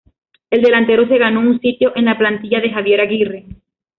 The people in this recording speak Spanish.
El delantero se ganó un sitio en la plantilla de Javier Aguirre.